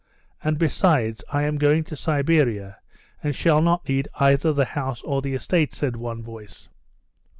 And, besides, I am going to Siberia, and shall not need either the house or the estate," said one voice.